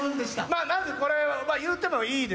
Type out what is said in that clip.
まずこれは言うてもいいですよね？